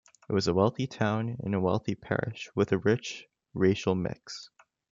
It was a wealthy town in a wealthy parish with a rich racial mix.